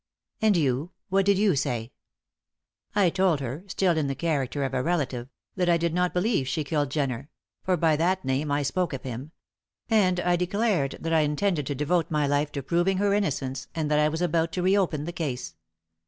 "And you what did you say?" "I told her still in the character of a relative that I did not believe she killed Jenner for by that name I spoke of him and I declared that I intended to devote my life to proving her innocence, and that I was about to re open the case."